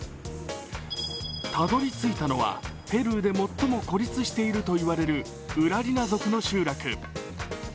たどりついたのはペルーで最も孤立していると言われるウラリナ族の集落。